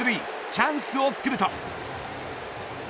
チャンスをつくると。